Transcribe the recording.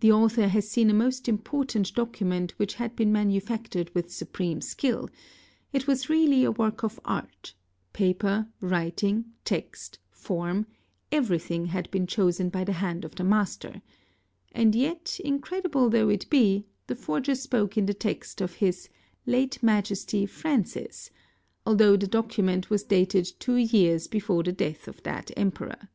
The author has seen a most important document which had been manu factured with supreme skill; it: was really a work of art,—paper, writing, text, form, everything had been chosen by the hand of a master—and yet, incredible though it be, the forger spoke in the text of his "late Majesty Francis', although the document was dated two years before the death of that Emperor.